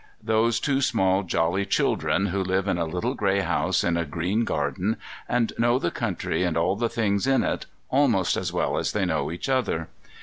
Those two small jolly children, who live in a little grey house in a green garden, and know the country and all the things in it, almost as well as they know each other?